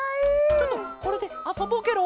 ちょっとこれであそぼうケロ。